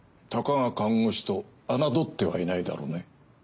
たかが看護師と侮ってはいないだろうね？